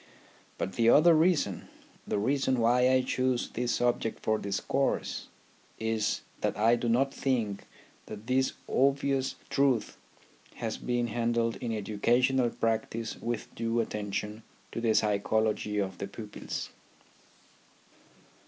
But the other reason, the reason why I choose this subject for discourse, is that I do not think that this obvious truth has been handled in educational practice with due attention to the psychology of the pupils.